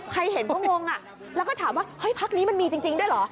ใครเห็นก็งงแล้วก็ถามว่าเฮ้ยพักนี้มันมีจริงด้วยเหรอ